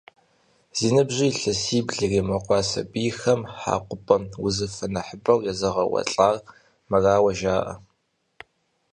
Зи ныбжьыр илъэсибл иримыкъуа сабийхэм хьэкъупӏэ узыфэр нэхъыбэу езыгъэуалӏэр мырауэ жаӏэр.